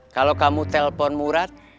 kalau kamu telpon murad